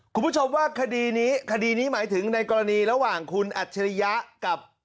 คุณผู้ชมว่าคดีนี้คดีนี้หมายถึงในกรณีระหว่างคุณอัจฉริยะกับ